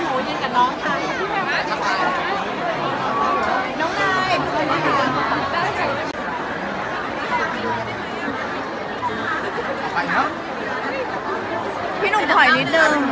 ก็พูดตัวเองด้องไหล้ถูกบอกตัวเอง